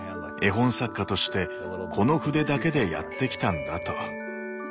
絵本作家として「この筆だけでやってきたんだ」と。